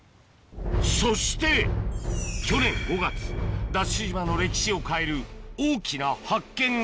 そして去年５月ＤＡＳＨ島の歴史を変える大きな発見が